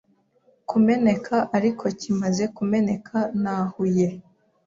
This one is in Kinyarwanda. kumeneka ariko kimaze kumeneka nahuye